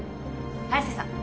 早瀬さん